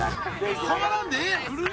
触らんでええ。